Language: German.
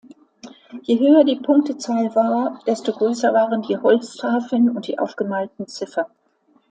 Je höher die Punktezahl war, desto größer waren die Holztafeln und die aufgemalten Ziffern.